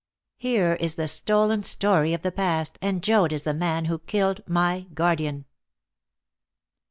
Here is the stolen story of the past, and Joad is the man who killed my guardian."